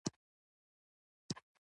دغه دوکاندار شیرعالم نومیده، میرمن یې میمونه!